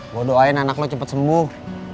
mau doain anak lo cepet sembuh